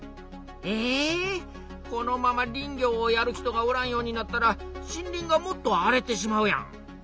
えこのまま林業をやる人がおらんようになったら森林がもっと荒れてしまうやん。